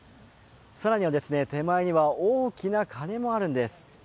更には手前には大きな鐘もあるんです。